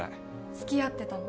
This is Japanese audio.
つきあってたの？